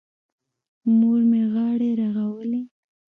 مور مې غاړې رغولې.